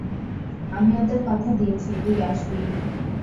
আমি ওদের কথা দিয়েছি, তুই আসবি।